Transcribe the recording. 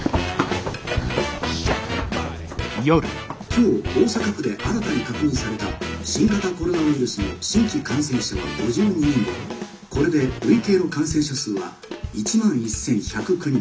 「今日大阪府で新たに確認された新型コロナウイルスの新規感染者は５２人でこれで累計の感染者数は１万１，１０９人。